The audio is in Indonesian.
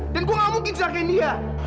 dan gue nggak mungkin cekin dia